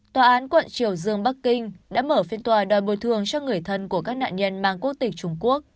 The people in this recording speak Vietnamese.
tòa án quận triều dương bắc kinh đã mở phiên tòa đòi bồi thường cho người thân của các nạn nhân mang quốc tịch trung quốc